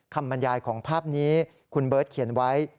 บรรยายของภาพนี้คุณเบิร์ตเขียนไว้